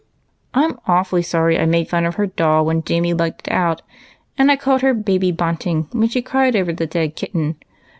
"I'm awfully sorry I made fun of her doll Avhen Jamie lugged it out ; and I called her ' baby bunting ' when she cried over the dead kitten.